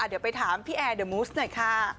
เดี๋ยวไปถามพี่แอร์เดอร์มูสหน่อยค่ะ